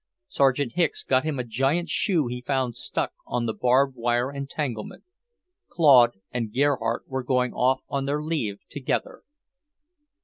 Sergeant Hicks got him a giant shoe he found stuck on the barbed wire entanglement. Claude and Gerhardt were going off on their leave together.